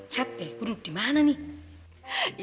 cet deh gue duduk di mana nih